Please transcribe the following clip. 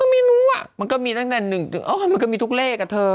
มันก็มีตั้งแต่๑มันก็มีทุกเลข